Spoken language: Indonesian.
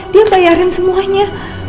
dia bayarin semuanya